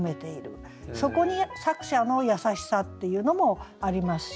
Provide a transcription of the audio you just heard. そこに作者の優しさっていうのもありますし。